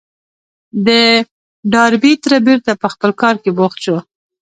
د ډاربي تره بېرته پر خپل کار بوخت شو.